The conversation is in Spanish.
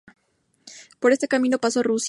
Por este camino pasó a Rusia.